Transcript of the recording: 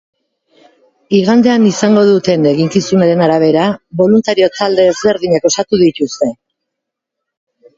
Igandean izango duten eginkizunaren arabera boluntario talde ezberdinak osatu dituzte.